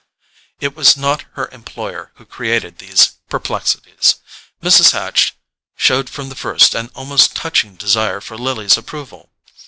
It was not her employer who created these perplexities. Mrs. Hatch showed from the first an almost touching desire for Lily's approval.